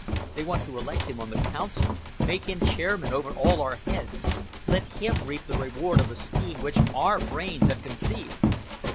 They want to elect him on the Council, make him chairman over all our heads, let him reap the reward of the scheme which our brains have conceived."